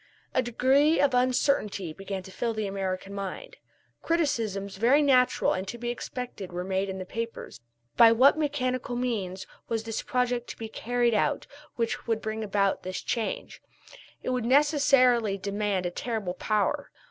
A degree of uncertainty began to fill the American mind. Criticisms very natural and to be expected were made in the papers. By what mechanical means was this project to be carried out which would bring about this change? It would necessarily demand a terrible power.